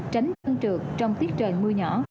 tránh tân trượt trong tiết trời mưa nhỏ